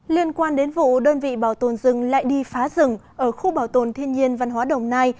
liên quan đến vụ đơn vị bảo tồn rừng lại đi phá rừng ở khu bảo tồn thiên nhiên văn hóa đồng nai